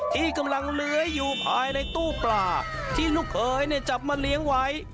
ที่กำลังเลื้อยอยู่ภายในตู้ปลาที่ลูกเคยจับมาเลี้ยงไว้